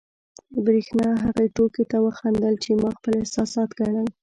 برېښنا هغې ټوکې ته وخندل، چې ما خپل احساسات ګڼل.